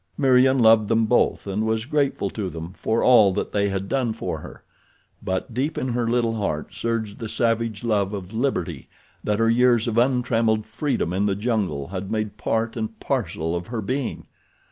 Meriem loved them both and was grateful to them for all that they had done for her; but deep in her little heart surged the savage love of liberty that her years of untrammeled freedom in the jungle had made part and parcel of her being.